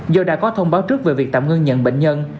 do đã có thông báo trước về việc tạm ngưng nhận bệnh nhân